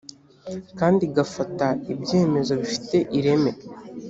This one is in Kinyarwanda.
kandi igafata ibyemezo bifite ireme